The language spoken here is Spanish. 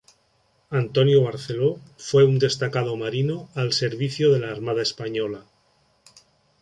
Antonio Barceló fue un destacado marino al servicio de la Armada española.